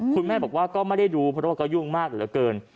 คุณแม่บอกว่าก็ไม่ได้ดูเพราะว่าก็ยุ่งมากเหลือเกิน